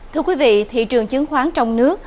thưa quý vị thị trường chứng khoán trong nước